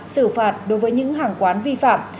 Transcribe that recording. xử phạt đối với những hàng quán vi phạm